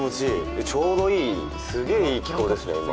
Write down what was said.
で、ちょうどいい、すげぇいい気候ですね、今。